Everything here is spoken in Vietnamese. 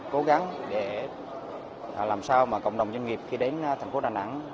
cố gắng để làm sao mà cộng đồng doanh nghiệp khi đến thành phố đà nẵng